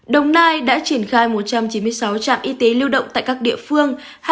đồng nai đã triển khai một trăm chín mươi sáu trạm y tế lưu động tại các địa phương